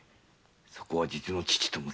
そこは実の娘と父。